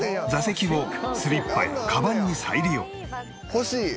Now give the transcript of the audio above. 「欲しい！」